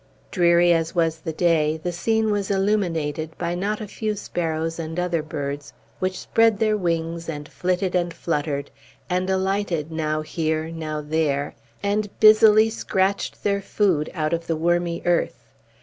Dreary as was the day, the scene was illuminated by not a few sparrows and other birds, which spread their wings, and flitted and fluttered, and alighted now here, now there, and busily scratched their food out of the wormy earth.